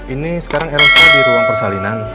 ini sekarang enaknya di ruang persalinan